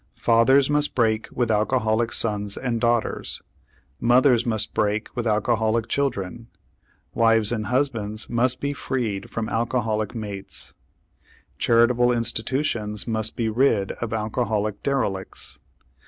Fathers must break with alcoholic sons and daughters, mothers must break with alcoholic children, wives and husbands must be freed from alcoholic mates, charitable institutions must be rid of alcoholic derelicts.